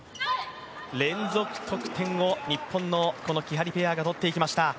連続得点を日本のこのきはりペアが取っていきました。